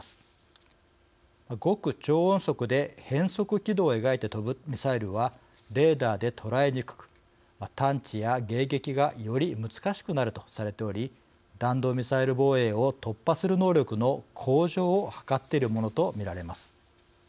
極超音速で変則軌道を描いて飛ぶミサイルはレーダーで捉えにくく探知や迎撃がより難しくなるとされており弾道ミサイル防衛を突破する能力の向上を図っているものと見られます。